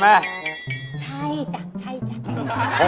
ใช่จัง